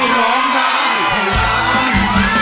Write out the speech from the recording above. ร้องได้ให้ร้อง